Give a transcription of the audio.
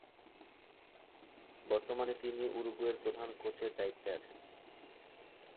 বর্তমানে তিনি উরুগুয়ের প্রধান কোচের দায়িত্বে আছেন।